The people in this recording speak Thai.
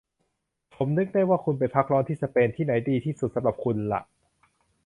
ผมนึกได้ว่าคุณไปพักร้อนที่สเปน ที่ไหนดีที่สุดสำหรับคุณหละ